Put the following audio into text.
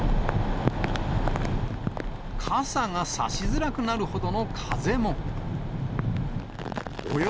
傘が差しづらくなるほどの風も。